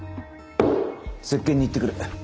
接見に行ってくる。